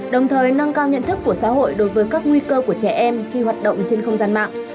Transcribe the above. đồng thời nâng cao nhận thức của xã hội đối với các nguy cơ của trẻ em khi hoạt động trên không gian mạng